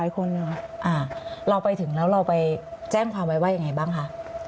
เยอะไหมคะที่เราเจอ